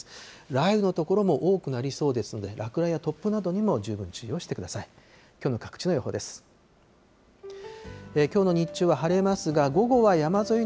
雷雨の所も多くなりそうですので、落雷や突風などにも十分注意をしてください。